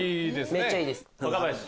めっちゃいいです。